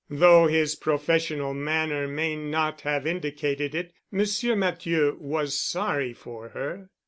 Though his professional manner may not have indicated it, Monsieur Matthieu was sorry for her.